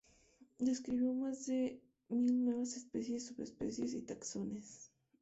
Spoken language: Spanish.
Describió más de mil nuevas especies, subespecies y taxones.